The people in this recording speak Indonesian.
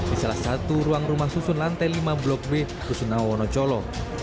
di salah satu ruang rumah susun lantai lima blok b kusun awono colo